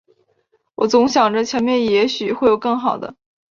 我总想着前面也许会有更好的